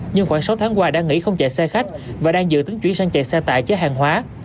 nhưng khoảng sáu tháng qua đã nghỉ không chạy xe khách và đang dự tính chuyển sang chạy xe tải chở hàng hóa